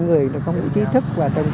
một hai người không có ý thức